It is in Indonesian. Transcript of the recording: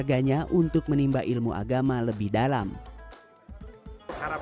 kegiatan ini untuk memperingati nuzulul quran yang diinisiasi badan amil cerdas cermat al quran